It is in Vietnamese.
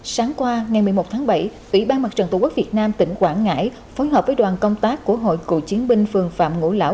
sáng qua ngày một mươi một tháng bảy ủy ban mặt trận tổ quốc việt nam tỉnh quảng ngãi phối hợp với đoàn công tác của hội cựu chiến binh phường phạm ngũ lão